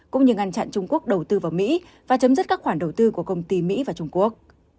cũng như ngăn chặn trung quốc đầu tư vào mỹ và chấm dứt các khoản đầu tư của công ty mỹ và trung quốc